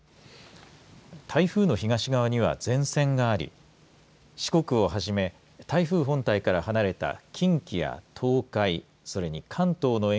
台風の東側には前線があり四国をはじめ台風本体から離れた近畿や東海